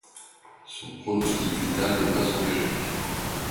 Son pronostic vital n'est pas engagé.